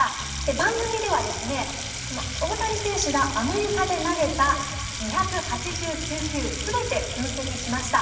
番組では大谷選手がアメリカで投げた２８９球全て分析しました。